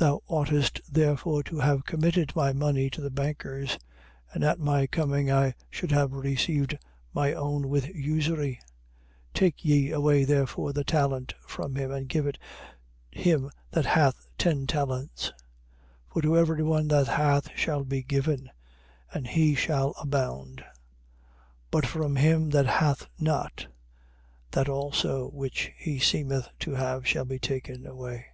25:27. Thou oughtest therefore to have committed my money to the bankers: and at my coming I should have received my own with usury. 25:28. Take ye away therefore the talent from him and give it him that hath ten talents. 25:29. For to every one that hath shall be given, and he shall abound: but from him that hath not, that also which he seemeth to have shall be taken away.